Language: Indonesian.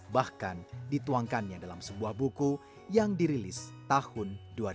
bahkan dituangkannya dalam sebuah buku yang dirilis tahun dua ribu dua